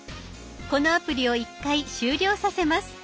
このアプリを一回終了させます。